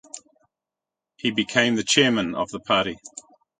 He became the chairman of the party.